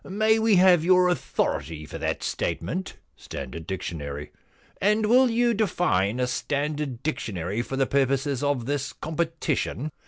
* May we have your authority for that statement ?Standard dictionary.'* * And will you define a standard dictionary for the purposes of this competition